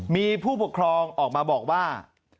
มีผู้ปกครองออกมาบอกว่า